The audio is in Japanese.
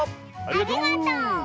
ありがとう！